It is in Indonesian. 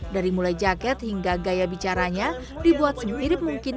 dari mulai jaket hingga gaya bicaranya dibuat semirip mungkin